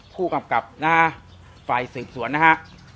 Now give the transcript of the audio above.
ผู้กำกับฝ่ายสื่อส่วนนะครับ